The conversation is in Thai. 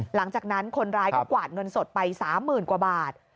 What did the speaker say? หลังจากนั้นคนร้ายก็กวาดเงินสดไป๓๐๐๐กว่าบาท